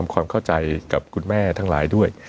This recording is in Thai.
ความเข้าใจกับคุณแม่ทั้งหลายด้วย